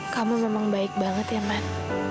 kamu memang baik banget ya man